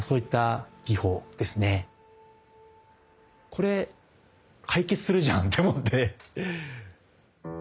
これ解決するじゃんって思って。